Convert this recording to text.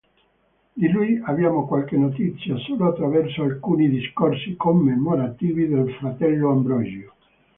Di lui abbiamo qualche notizia solo attraverso alcuni discorsi commemorativi del fratello Ambrogio.